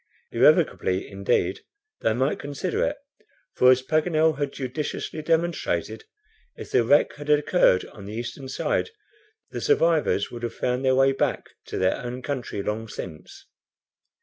Irrevocably, indeed, they might consider it, for as Paganel had judiciously demonstrated, if the wreck had occurred on the eastern side, the survivors would have found their way back to their own country long since.